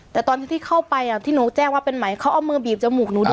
แต่ตอนที่เข้าไปที่หนูแจ้งว่าเป็นไหมเขาเอามือบีบจมูกหนูด้วย